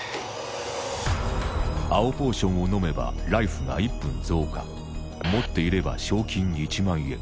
青ポーションを飲めばライフが１分増加持っていれば賞金１万円